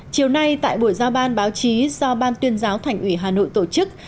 chiều nay tại buổi giao ban báo chí do ban tuyên giáo thành ủy hà nội tổ chức